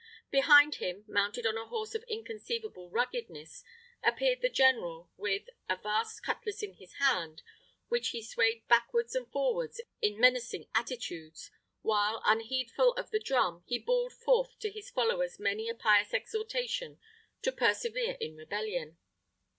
Behind him, mounted on a horse of inconceivable ruggedness, appeared the general with, a vast cutlass in his hand, which he swayed backwards and forwards in menacing attitudes; while, unheedful of the drum, he bawled forth to his followers many a pious exhortation to persevere in rebellion.